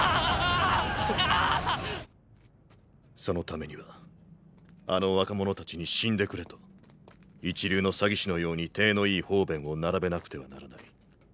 そのためにはあの若者たちに死んでくれと一流の詐欺師のように体のいい方便を並べなくてはならない。